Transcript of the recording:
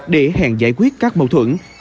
để hẹn giải quyết các mâu thuẫn